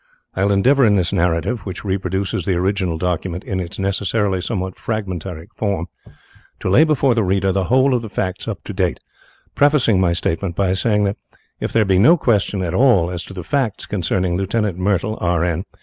I will endeavour in this narrative, which reproduces the original document in its necessarily somewhat fragmentary form, to lay before the reader the whole of the facts up to date, prefacing my statement by saying that, if there be any who doubt the narrative of Joyce Armstrong, there can be no question at all as to the facts concerning Lieutenant Myrtle, R. N.